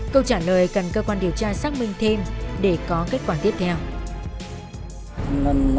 câu trả lời cần cơ quan điều tra xác minh thêm để có kết quả tiếp theo